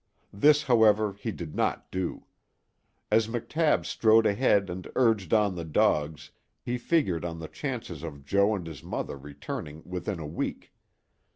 This, however, he did not do. As McTabb strode ahead and urged on the dogs he figured on the chances of Joe and his mother returning within a week.